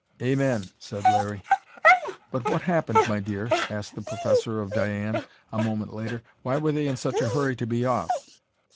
"Amen!" said Larry. "But what happened, my dear?" asked the professor of Diane, a moment later. "Why were they in such a hurry to be off?"